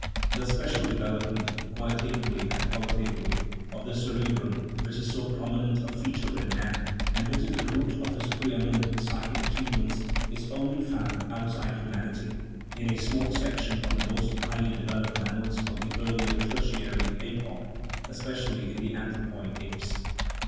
The special development (quantitatively and 1 68 THE PHYLOGENY OF THE SOUL qualitatively) of the cerebrum which is so prominent a feature in man, and which is the root of his pre eminent psychic achievements, is only found, outside humanity, in a small section of the most highly devel oped mammals of the earlier Tertiary epoch, especially in the anthropoid apes.